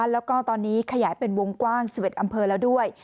แล้วก็ตอนนี้ขยายเป็นวงกว้าง๑๑อำเภอแล้วด้วย